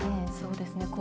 そうですね。